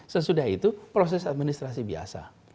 sesudah itu proses administrasi biasa